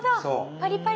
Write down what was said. パリパリに。